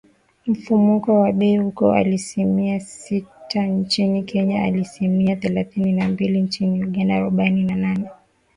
Mfumuko wa bei uko asilimia sita nchini Kenya, asilimia thelathini na mbili nchini Uganda , arobaini na nane nchini Tanzania